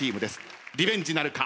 リベンジなるか？